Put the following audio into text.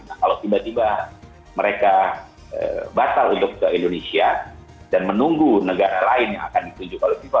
nah kalau tiba tiba mereka batal untuk ke indonesia dan menunggu negara lain yang akan ditunjuk oleh fifa